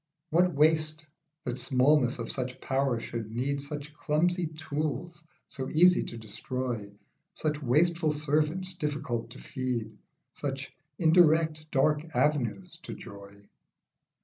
What waste, that smallness of such power should need Such clumsy tools so easy to destroy, Such wasteful servants difficult to feed, Such indirect dark avenues to joy.